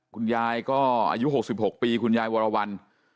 คุณยายก็อายุ๖๖ปีคุณยายวรวรรณ